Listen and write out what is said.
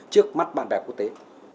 trước mắt bạn bè quốc tế